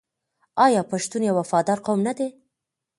آیا پښتون یو وفادار قوم نه دی؟